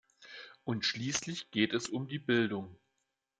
Und schließlich geht es um die Bildung.